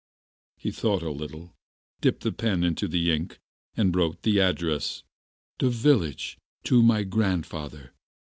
He thought a little, dipped the pen into the ink, and wrote the address: "The village, to my grandfather."